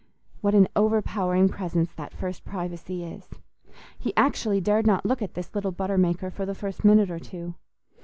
What an overpowering presence that first privacy is! He actually dared not look at this little butter maker for the first minute or two.